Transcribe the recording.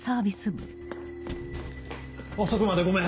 遅くまでごめん。